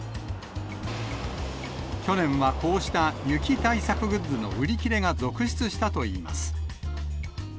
去年はこうした雪対策グッズの売り切れが続出したといいます。